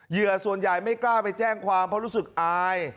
เหยื่อส่วนใหญ่ไม่กล้าไปแจ้งความเพราะรู้สึกอาย